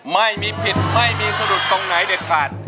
ไม่มีผิดไม่มีสะดุดตรงไหนเด็ดขาด